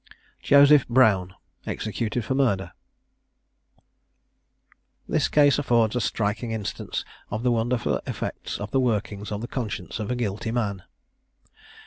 JOSEPH BROWN. EXECUTED FOR MURDER. This case affords a striking instance of the wonderful effect of the workings of the conscience of a guilty man.